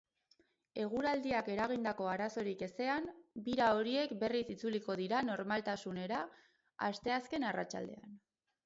Eguraldiak eragindako arazorik ezean, bira horiek berriz itzuliko dira normaltasunera asteazken arratsaldean.